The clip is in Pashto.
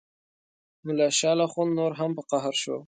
ملا شال اخند نور هم په قهر شو.